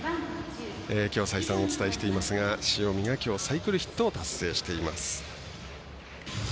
きょう再三お伝えしていますが塩見がきょうはサイクルヒットを達成しています。